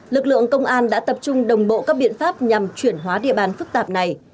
lực lượng công an đã tập trung đồng bộ các biện pháp nhằm chuyển hóa địa bàn phức tạp này